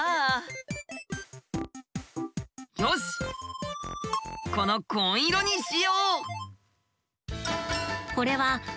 よしこの紺色にしよう！